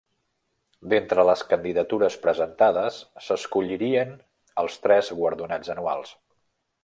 D'entre les candidatures presentades s'escollirien els tres guardonats anuals.